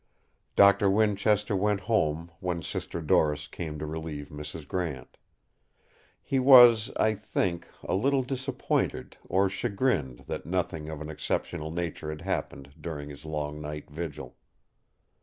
Doctor Winchester went home when Sister Doris came to relieve Mrs. Grant. He was, I think, a little disappointed or chagrined that nothing of an exceptional nature had happened during his long night vigil.